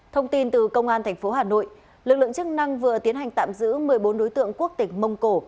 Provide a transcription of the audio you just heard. thông tin từ công an tp hà nội lực lượng chức năng vừa tiến hành tạm giữ một mươi bốn đối tượng quốc tịch mông cổ